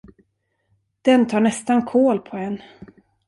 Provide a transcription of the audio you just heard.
Den tar nästan kål på en.